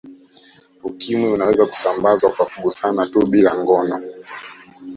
Ukimwi unaweza kusambazwa kwa kugusana tu bila ngono